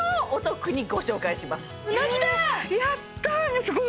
やったー